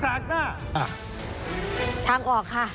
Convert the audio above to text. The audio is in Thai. ทางออกค่ะ